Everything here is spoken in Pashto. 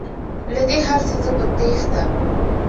له دې هرڅه زه په تیښته